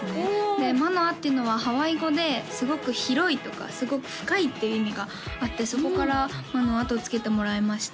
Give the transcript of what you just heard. でマノアっていうのはハワイ語で「すごく広い」とか「すごく深い」っていう意味があってそこから「舞乃空」とつけてもらいました